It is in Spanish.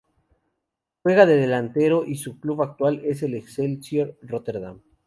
Juega de delantero y su club actual es el Excelsior Rotterdam.